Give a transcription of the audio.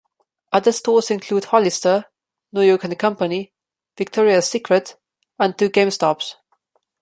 Other stores include Hollister, New York and Company, Victoria's Secret, and two GameStop's.